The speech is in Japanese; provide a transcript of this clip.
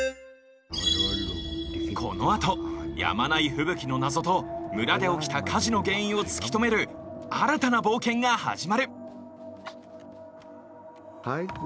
このあとやまない吹雪の謎と村で起きた火事の原因を突き止める新たな冒険が始まる！